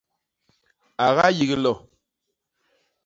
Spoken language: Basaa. A gayik lo.